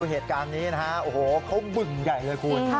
เหตุการณ์นี้นะฮะโอ้โหเขาบึงใหญ่เลยคุณ